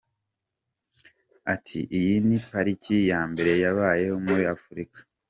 Ati “Iyi ni pariki ya mbere yabayeho muri Afurika.